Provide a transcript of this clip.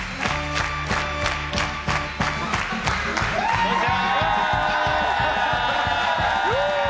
こんにちは！